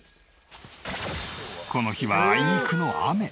この日はあいにくの雨。